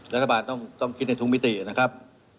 รัฐบาลต้องคิดในทุกมิตินะครับ